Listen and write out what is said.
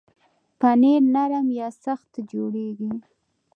پنېر نرم یا سخت جوړېږي.